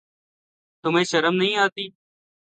تمہیں شرم نہیں آتی؟